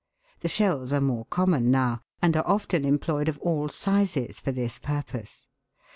The shells are more common now, and are often employed of all sizes for this purpose.